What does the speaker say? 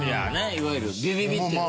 いわゆるビビビってやつ。